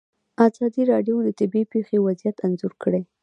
ازادي راډیو د طبیعي پېښې وضعیت انځور کړی.